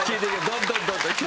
どんどんどんどん。